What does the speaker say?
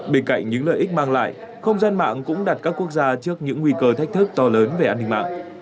bên cạnh những lợi ích mang lại không gian mạng cũng đặt các quốc gia trước những nguy cơ thách thức to lớn về an ninh mạng